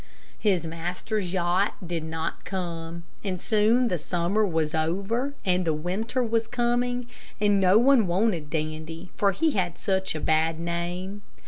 His master's yacht did not come, and soon the summer was over, and the winter was coming, and no one wanted Dandy, for he had such a bad name.